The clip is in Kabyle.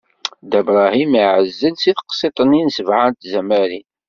Dda Bṛahim iɛezl-d si tqeḍɛit-is sebɛa n tzamarin.